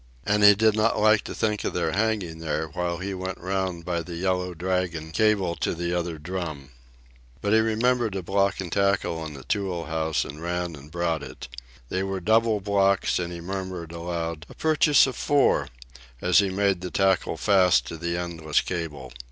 And he did not like to think of their hanging there while he went round by the Yellow Dragon cable to the other drum. But he remembered a block and tackle in the tool house, and ran and brought it. They were double blocks, and he murmured aloud, "A purchase of four," as he made the tackle fast to the endless cable.